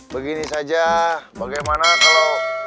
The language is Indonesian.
begini saja bagaimana kalau